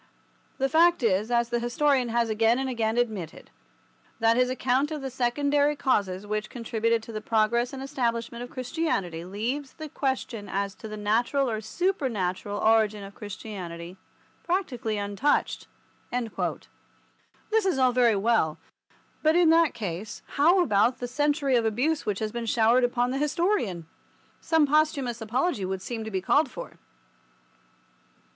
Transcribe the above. The fact is, as the historian has again and again admitted, that his account of the secondary causes which contributed to the progress and establishment of Christianity leaves the question as to the natural or supernatural origin of Christianity practically untouched." This is all very well, but in that case how about the century of abuse which has been showered upon the historian? Some posthumous apology would seem to be called for.